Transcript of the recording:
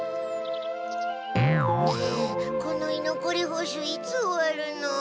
ねえこの居残り補習いつ終わるの？